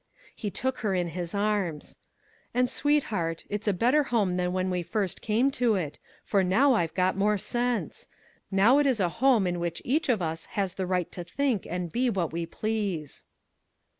He took her in his arms. "And, sweetheart it's a better home than when we first came to it, for now I've got more sense. Now it is a home in which each of us has the right to think and be what we please."